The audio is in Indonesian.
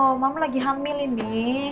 aku seru mbakku seru nginep disini